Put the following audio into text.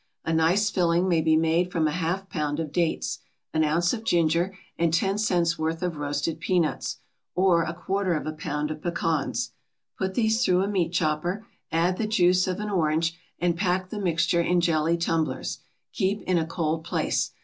A nice filling may be made from a half pound of dates, an ounce of ginger, and ten cents' worth of roasted peanuts, or a quarter of a pound of pecans. Put these through a meat chopper, add the juice of an orange, and pack the mixture in jelly tumblers. Keep in a cold place.